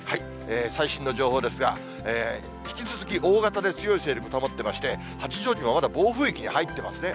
最新の情報ですが、引き続き大型で強い勢力を保ってまして、八丈島、まだ暴風域に入っていますね。